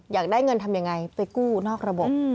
อยากได้เงินทำยังไงไปกู้นอกระบบ